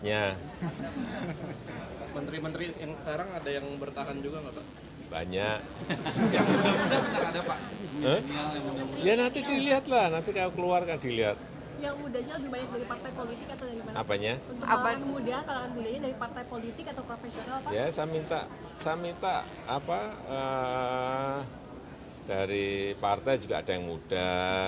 ya saya minta saya minta apa dari partai juga ada yang muda